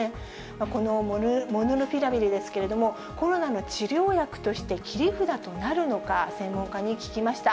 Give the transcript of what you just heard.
このモルヌピラビルですけれども、コロナの治療薬として切り札となるのか、専門家に聞きました。